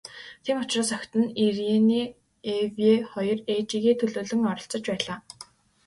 Тийм учраас охид нь, Ирене Эве хоёр ээжийгээ төлөөлөн оролцож байлаа.